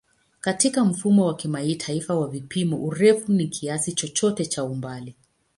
Katika Mfumo wa Kimataifa wa Vipimo, urefu ni kiasi chochote cha umbali.